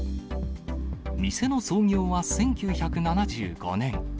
店の創業は１９７５年。